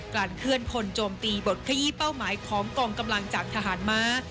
เคลื่อนคนโจมตีบทขยี้เป้าหมายของกองกำลังจากทหารม้า